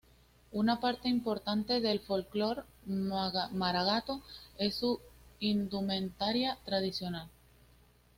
Una parte importante del folclore maragato es su indumentaria tradicional.